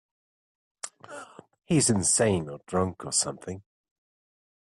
He's insane or drunk or something.